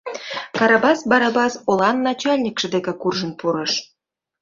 Карабас Барабас олан начальникше деке куржын пурыш.